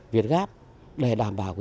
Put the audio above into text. việt gáp để đảm bảo